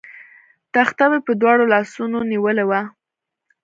تخته مې په دواړو لاسونو نیولې وه.